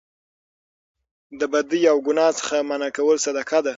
د بدۍ او ګناه څخه منع کول صدقه ده